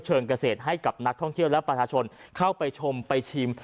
เกษตรให้กับนักท่องเที่ยวและประชาชนเข้าไปชมไปชิม